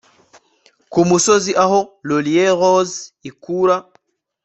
Ku musozi aho LaurierRose ikura